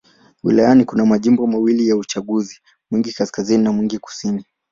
Wilayani kuna majimbo mawili ya uchaguzi: Mwingi Kaskazini na Mwingi Kusini.